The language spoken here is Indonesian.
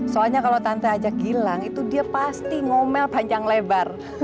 soalnya kalau tante aja gilang itu dia pasti ngomel panjang lebar